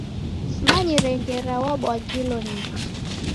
Simanyire ngera wabwaghilo ni kii.